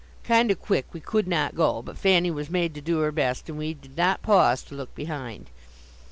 "Kind o' quick" we could not go, but Fanny was made to do her best, and we did not pause to look behind.